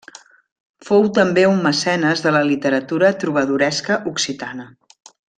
Fou també un mecenes de la literatura trobadoresca occitana.